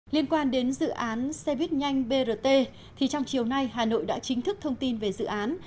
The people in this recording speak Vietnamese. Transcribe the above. liên quan đến dự án xe buýt nhanh brt thì trong chiều nay hà nội đã chính thức thông tin về dự án